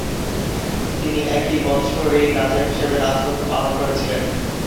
তিনি একই বছরেই রাজা হিসেবে রাজতন্ত্র পালন করেছিলেন।